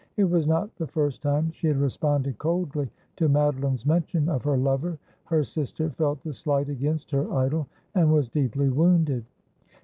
It was not the first time she had responded coldly to Mado line's mention of her lover. Her sister felt the slight against her idol, and was deeply wounded.